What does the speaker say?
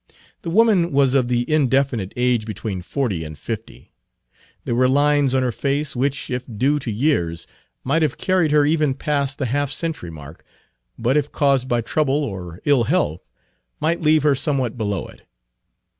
The woman was of the indefinite age between forty and fifty. There were lines on her face which, if due to years, might have carried her even past the half century mark, but if caused by trouble or ill health might leave her somewhat below it.